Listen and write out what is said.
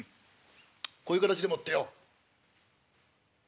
こういう形でもってよ